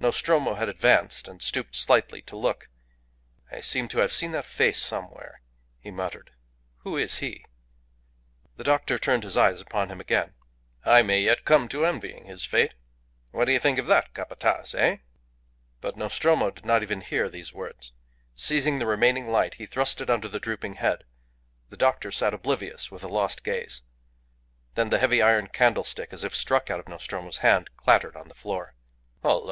Nostromo had advanced, and stooped slightly to look. "I seem to have seen that face somewhere," he muttered. "Who is he?" The doctor turned his eyes upon him again. "I may yet come to envying his fate. What do you think of that, Capataz, eh?" But Nostromo did not even hear these words. Seizing the remaining light, he thrust it under the drooping head. The doctor sat oblivious, with a lost gaze. Then the heavy iron candlestick, as if struck out of Nostromo's hand, clattered on the floor. "Hullo!"